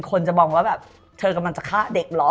คนจะมองว่าแบบเธอกำลังจะฆ่าเด็กเหรอ